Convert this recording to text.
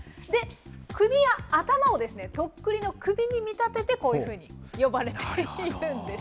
首や頭をとっくりの首に見立てて、こういうふうに呼ばれているんです。